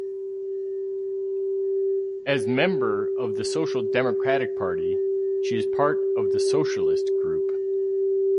As member of the Social Democratic Party, she is part of the Socialist Group.